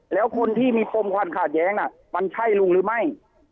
แล้วคนที่มีปมความขาดแย้งน่ะมันใช่ลุงหรือไม่